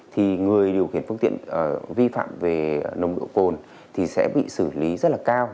thì người điều khiển phương tiện vi phạm về nồng độ cồn thì sẽ bị xử lý rất là cao